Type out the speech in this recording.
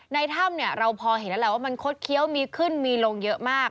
ในถ้ำเนี่ยเราพอเห็นแล้วแหละว่ามันคดเคี้ยวมีขึ้นมีลงเยอะมาก